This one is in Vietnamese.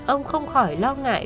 ông không khỏi lo ngại